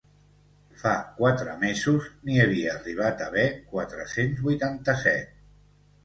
Fa quatre mesos, n’hi havia arribat a haver quatre-cents vuitanta-set.